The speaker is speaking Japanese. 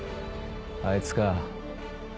あいつか。